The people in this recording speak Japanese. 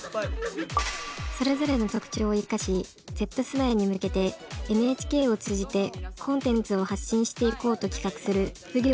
それぞれの特徴を生かしＺ世代に向けてＮＨＫを通じてコンテンツを発信していこうと企画するＢＵＧＹＯＺ。